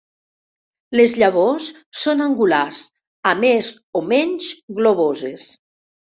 Les llavors són angulars a més o menys globoses.